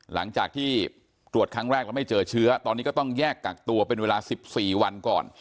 หลังจากที่ตรวจครั้งแรกแล้วไม่เจอเชื้อตอนนี้ก็ต้องแยกกักตัวเป็นเวลา๑๔วันก่อน